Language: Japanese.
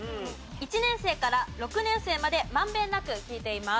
１年生から６年生まで満遍なく聞いています。